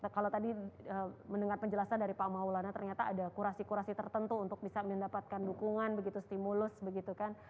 kalau tadi mendengar penjelasan dari pak maulana ternyata ada kurasi kurasi tertentu untuk bisa mendapatkan dukungan begitu stimulus begitu kan